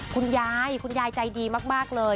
คุณยายคุณยายใจดีมากเลย